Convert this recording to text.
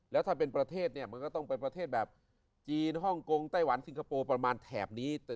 แล้วถ้าเป็นประเทศเนี่ยมันก็ต้องเป็นประเทศแบบจีนฮ่องกงไต้หวันสิงคโปร์ประมาณแถบนี้